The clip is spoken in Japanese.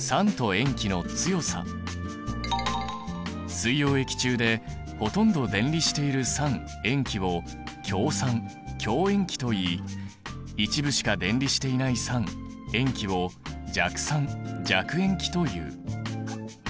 水溶液中でほとんど電離している酸塩基を強酸強塩基といい一部しか電離していない酸塩基を弱酸弱塩基という。